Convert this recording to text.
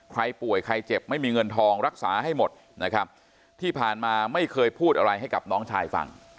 ใครป่วยใครเจ็บไม่มีเงินทองรักษาให้หมดนะครับที่ผ่านมาไม่เคยพูดอะไรให้กับน้องชายฟัง